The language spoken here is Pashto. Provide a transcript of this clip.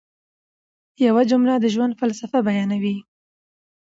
یوه جمله د ژوند فلسفه بیانوي.